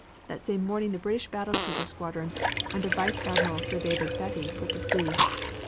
That same morning the British battle cruiser squadron under Vice Admiral Sir David Beatty put to sea.